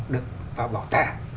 được vào bảo tàng